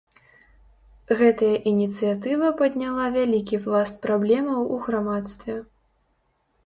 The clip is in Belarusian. Гэтая ініцыятыва падняла вялікі пласт праблемаў у грамадстве.